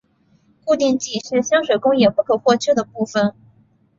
固定剂是香水工业不可或缺的部份。